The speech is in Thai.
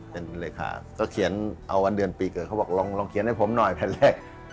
เป็นเลขาก็เขียนเอาวันเดือนปีเกิดเขาบอกลองเขียนให้ผมหน่อยแผ่นแรก